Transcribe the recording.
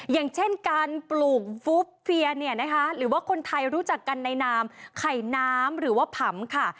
อย่างเช่นการปลูกฟุบเฟียเนี่ยนะคะหรือว่าคนไทยรู้จักกันในนามไข่น้ำหรือว่าผำค่ะ